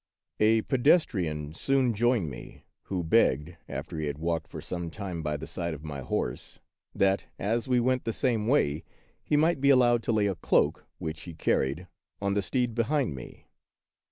A PEDESTRIAN sooH joined me, who begged, after he had walked for some time by the side of my horse, that, as we went the same way, he might be allowed to lay a cloak, which he car ried, on the steed behind me.